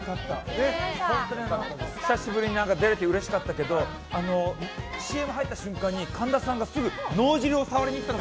本当に久しぶりに出れてうれしかったけどＣＭ入った瞬間に神田さんが脳汁を触りに行ってた。